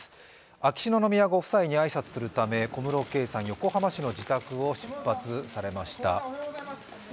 秋篠宮ご夫妻に挨拶するため小室圭さん、横浜市の自宅を出発されました。